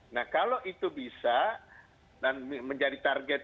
nah kalau itu bisa dan menjadi target